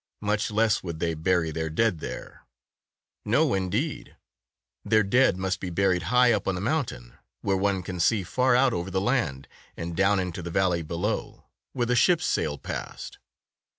Much less would they bury their dead there. No, indeed! Their dead must be buried high up on the mountain, where one can see far out over the land and down into the valley below, where the ships sail past.